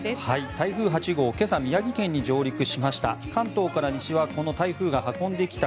台風８号今朝、宮城県に上陸しました。